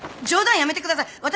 冗談やめてください！